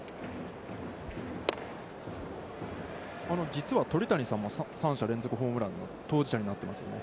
実は鳥谷さんも、３者連続ホームランの当事者になってますね。